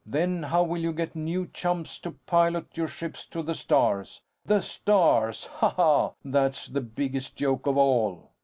Then, how will you get new chumps to pilot your ships to the stars? The stars! Ha, ha! That's the biggest joke of all!"